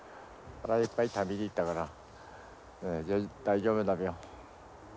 腹いっぱい食べてったから大丈夫だべよ。